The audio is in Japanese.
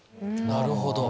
なるほど。